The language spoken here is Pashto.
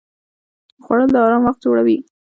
خوړل د آرام وخت جوړوي